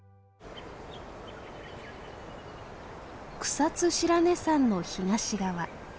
草津白根山の東側。